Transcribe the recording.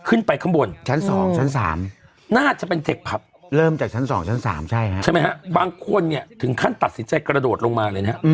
ขึ้นไปข้างบนหน้าจะเป็นเจ็กผับใช่ไหมฮะบางคนเนี่ยถึงขั้นตัดสินใจกระโดดลงมาเลยนะ